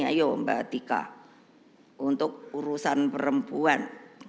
ayo mbak tika untuk urusan perempuan